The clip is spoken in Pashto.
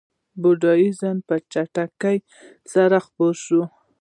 بودیزم په چټکۍ سره خپور شو.